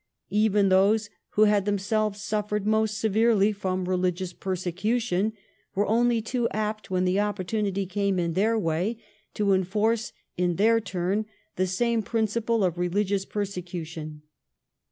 Even those who had themselves suffered most severely from religious persecution were only too apt, when the opportunity came in their way, to enforce in their turn the same principle of religious persecu tion.